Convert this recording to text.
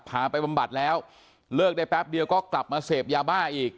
ไปบำบัดแล้วเลิกได้แป๊บเดียวก็กลับมาเสพยาบ้าอีก